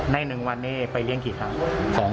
ใน๑วันนี้ไปเลี้ยงกี่ครั้ง